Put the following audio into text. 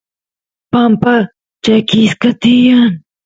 pampa chakisqa tiyan